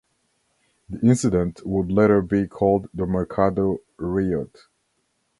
The incident would later be called the Mercado riot.